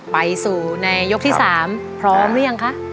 ไปสู่ในยกที่๓พร้อมหรือยังคะ